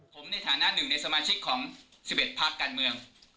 ผมในฐานะหนึ่งในสมาชิกของ๑๑พักการเมือง